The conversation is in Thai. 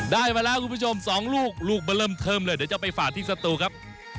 ได้มาแล้วคุณผู้ชม๒ลูกลูกมาเริ่มเทิมเลยเดี๋ยวจะไปฝากที่สตูครับ